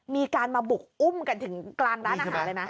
มีการมาบุกอุ้มกันถึงกลางร้านอาหารเลยนะ